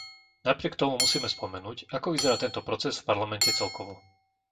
Napriek tomu musíme spomenúť, ako vyzerá tento proces v Parlamente celkovo.